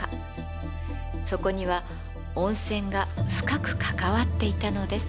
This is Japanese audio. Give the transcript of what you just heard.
そこには温泉が深く関わっていたのです。